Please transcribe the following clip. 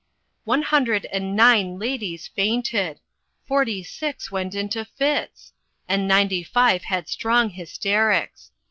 One hundred and nine ladies fainted! forty six went into fits! and ninety five had strong hysterics.